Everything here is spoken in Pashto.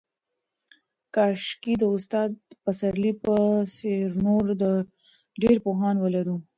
کاشکې د استاد پسرلي په څېر نور ډېر پوهان ولرو.